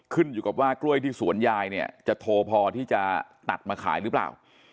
ขึ้นอยู่กับว่ากล้วยที่สวนยายเนี่ยจะโทรพอที่จะตัดมาขายหรือเปล่า